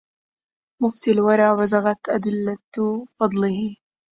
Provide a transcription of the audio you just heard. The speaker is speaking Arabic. مفتي الورى بزغت أدلة فضله